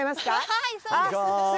はいそうです。